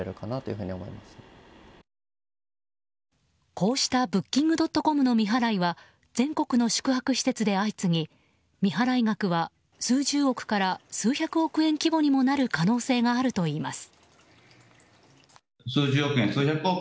こうしたブッキングドットコムの未払いは全国の宿泊施設で相次ぎ未払い額は数十億から数百億円規模にもなる可能性があるといいます。